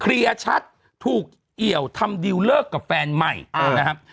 ชัดถูกเอี่ยวทำดิวเลิกกับแฟนใหม่นะครับ